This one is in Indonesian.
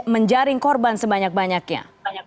menjaring korban sebanyak banyaknya